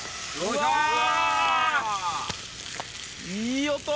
いい音！